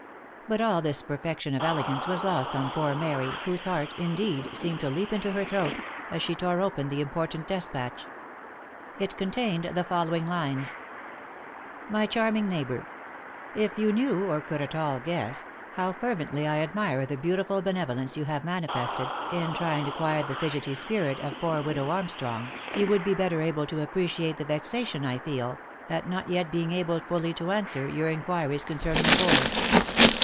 But all this per fection of elegance was lost on poor Mary, whose heart, indeed, seemed to leap into her throat, as she tore open the important despatch. It contained the following lines :" My charming Neighbour I " If you knew, or could at all guess, how fervently I admire the beautiful benevolence you have manifested, in trying to quiet the fidgetty spirit of poor widow Armstrong, you would be better able to appreciate the vexation I feel, at not yet being able fully to answer your inquiries concerning her boy.